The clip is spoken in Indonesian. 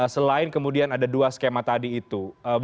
selain kemudian ada dua skema tadi itu